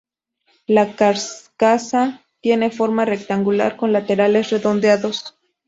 La carcasa tiene forma rectangular con laterales redondeados.